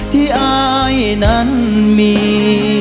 ที่อ้ายนั้นมี